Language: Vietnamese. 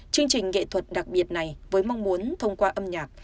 chương trình nghệ thuật đặc biệt này với mong muốn thông qua âm nhạc